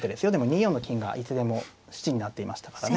２四の金がいつでも質になっていましたからね。